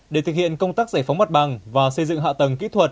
để thực hiện công tác giải phóng mặt bằng và xây dựng hạ tầng kỹ thuật